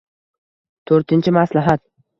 To'rtinchi maslahat.